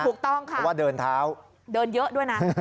ถูกต้องค่ะเพราะว่าเดินเท้าเดินเยอะด้วยนะ